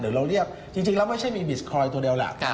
เดี๋ยวเราเรียกจริงแล้วไม่ใช่มีบิสคอยนตัวเดียวแหละ